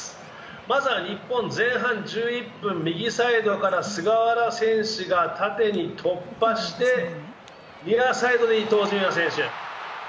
まずは日本、前半１１分、右サイドから菅原選手が縦に突破してミラーサイドで伊東純也選手。